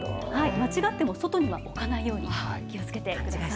間違っても外には置かないように、気をつけてください。